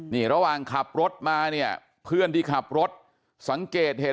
นี่ระหว่างขับรถมาเนี่ยเพื่อนที่ขับรถสังเกตเห็น